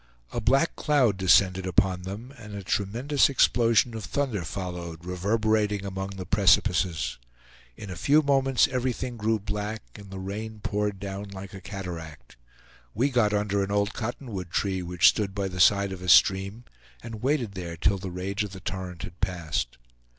A black cloud descended upon them, and a tremendous explosion of thunder followed, reverberating among the precipices. In a few moments everything grew black and the rain poured down like a cataract. We got under an old cotton wood tree which stood by the side of a stream, and waited there till the rage of the torrent had passed.